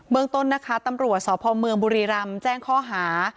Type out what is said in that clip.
เมืองต้นนะคะตำรวจสพเมืองบุรีรำแจ้งข้อหา